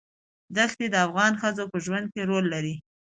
دښتې د افغان ښځو په ژوند کې رول لري.